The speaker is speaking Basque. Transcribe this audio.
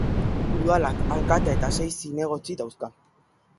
Udalak alkatea eta sei zinegotzi dauzka.